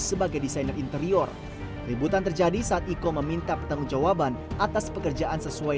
sebagai desainer interior ributan terjadi saat iko meminta pertanggungjawaban atas pekerjaan sesuai